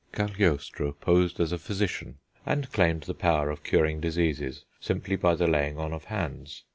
Cagliostro posed as a physician, and claimed the power of curing diseases simply by the laying on of hands.